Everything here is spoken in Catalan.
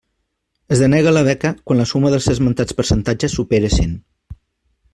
Es denega la beca quan la suma dels esmentats percentatges supere cent.